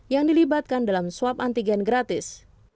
yang dilibatkan dalam swab antigen gratis